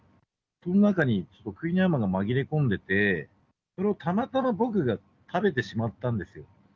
その中にクイニーアマンが紛れ込んでて、それをたまたま僕が食べてしまったんですよ。